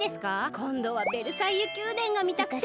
こんどはベルサイユ宮殿がみたくて。